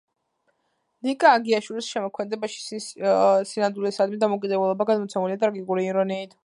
ნიკა აგიაშვილის შემოქმედებაში სინამდვილისადმი დამოუკიდებლობა გადმოცემულია ტრაგიკული ირონიით.